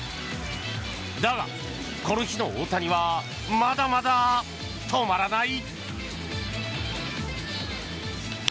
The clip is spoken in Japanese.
だが、この日の大谷はまだまだ止まらない。